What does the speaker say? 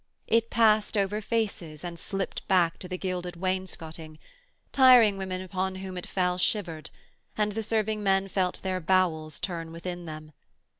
It passed over faces and slipped back to the gilded wainscoting; tiring women upon whom it fell shivered, and the serving men felt their bowels turn within them.